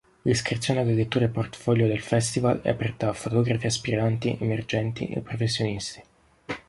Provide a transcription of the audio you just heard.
L'iscrizione alle letture portfolio del Festival è aperta a fotografi aspiranti, emergenti e professionisti.